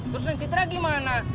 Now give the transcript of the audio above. terus nancitra gimana